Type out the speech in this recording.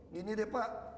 gini deh pak